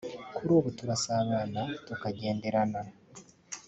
kuri ubu turasabana tukagenderana